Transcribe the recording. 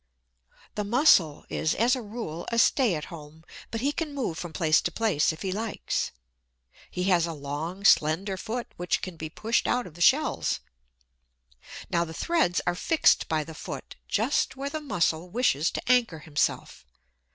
The Mussel is, as a rule, a stay at home, but he can move from place to place if he likes. He has a long, slender foot which can be pushed out of the shells. Now the threads are fixed by the foot, just where the Mussel wishes to anchor himself.